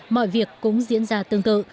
mọi việc cũng diễn ra tương tự